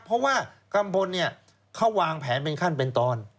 เพราะว่ากัมพลเนี่ยเขาวางแผนเป็นขั้นเป็นตอน